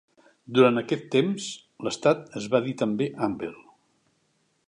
Durant aquest temps l'estat es va dir també Amber.